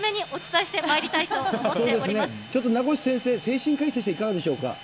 ちょっと名越先生、精神科医としていかがでしょうか。